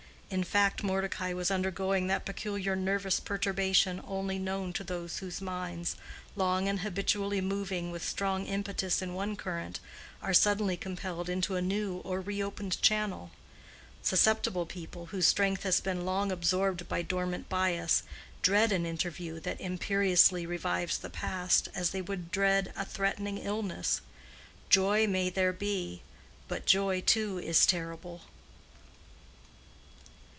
In fact, Mordecai was undergoing that peculiar nervous perturbation only known to those whose minds, long and habitually moving with strong impetus in one current, are suddenly compelled into a new or reopened channel. Susceptible people, whose strength has been long absorbed by dormant bias, dread an interview that imperiously revives the past, as they would dread a threatening illness. Joy may be there, but joy, too, is terrible.